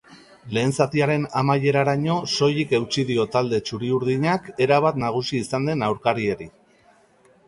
Lehen zatiaren amaieraraino soilik eutsi dio talde txuri-urdinak erabat nagusi izan den aurkariari.